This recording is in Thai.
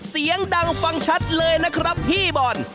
เสียงดังฟังชัดเลยนะครับพี่บอล